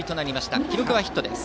記録はヒットです。